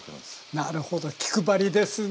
なるほど気配りですね。